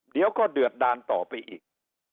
เดี๋ยวก็เดือดดานต่อไปอีก